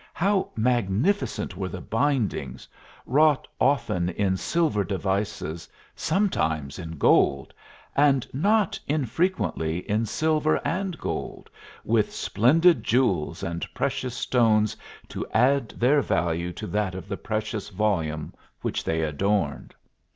How magnificent were the bindings, wrought often in silver devices, sometimes in gold, and not infrequently in silver and gold, with splendid jewels and precious stones to add their value to that of the precious volume which they adorned.